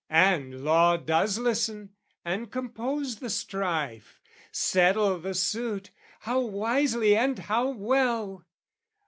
And Law does listen and compose the strife, Settle the suit, how wisely and how well!